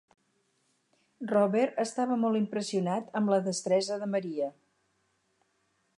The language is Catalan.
Robert estava molt impressionat amb la destresa de Maria.